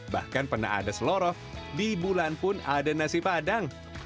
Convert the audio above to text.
bahkan pernah ada selorov di bulan pun ada nasi padang